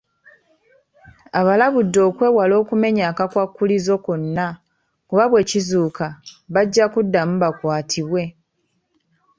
Abalabudde okwewala okumenya akakwakkulizo konna kuba bwe kizuuka, bajja kuddamu bakwatibwe.